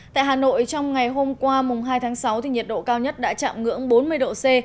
tại hà nội trong ngày hôm qua mùng hai tháng sáu nhiệt độ cao nhất đã chạm ngưỡng bốn mươi độ c